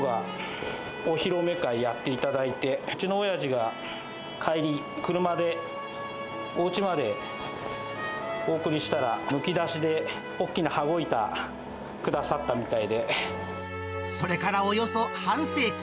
志ん生師匠がお披露目会やっていただいて、うちのおやじが、帰り、車でおうちまでお送りしたら、むき出しで大きな羽子板くだそれからおよそ半世紀。